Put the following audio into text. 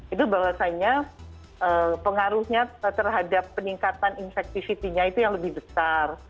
itu bahwasannya pengaruhnya terhadap peningkatan infektifitinya itu yang lebih besar